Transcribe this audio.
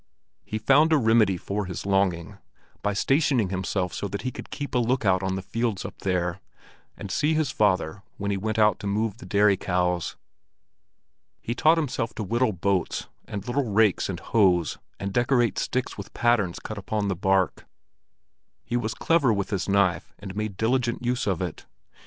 He found a remedy for his longing by stationing himself so that he could keep a lookout on the fields up there, and see his father when he went out to move the dairy cows. He taught himself to whittle boats and little rakes and hoes and decorate sticks with patterns cut upon the bark. He was clever with his knife and made diligent use of it.